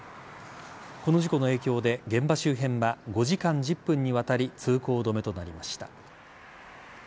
この事故の影響で現場周辺は５時間１０分にわたり通行止めとなりました。